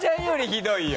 ひどいよ。